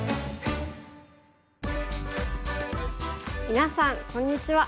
みなさんこんにちは。